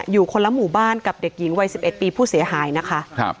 อยู่คนละหมู่บ้านกับเด็กหญิงวัย๑๑ปีผู้เสียหายนะคะ